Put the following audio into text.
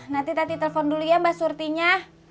nanti tadi telepon dulu ya mbak surtinya